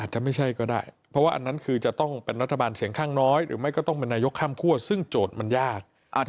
จะไม่ใช่ก็ได้เพราะว่าอันนั้นคือจะต้องเป็นรัฐบาลเสียงข้างน้อยหรือไม่ก็ต้องเป็นนายกข้ามคั่วซึ่งโจทย์มันยาก